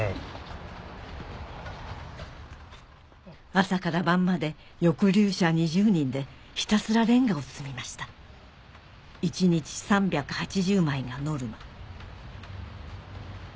朝から晩まで抑留者２０人でひたすらレンガを積みました一日３８０枚がノルマ